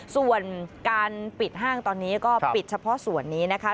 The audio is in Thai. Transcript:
ส่วนการปิดห้างตอนนี้ก็ปิดเฉพาะส่วนนี้นะคะ